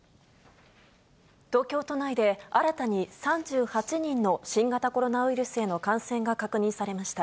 東京都内で、新たに３８人の新型コロナウイルスへの感染が確認されました。